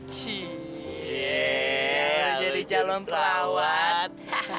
cie udah jadi calon perawat